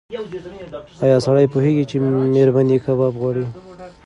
ایا سړی پوهېږي چې مېرمن یې کباب غواړي؟